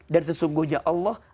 dan sesungguhnya allah